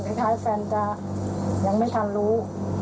ท้ายแฟนจะยังไม่ทันรู้